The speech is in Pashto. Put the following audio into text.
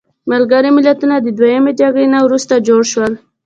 ملګري ملتونه د دویمې جګړې نه وروسته جوړ شول.